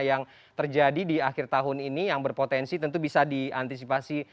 yang terjadi di akhir tahun ini yang berpotensi tentu bisa diantisipasi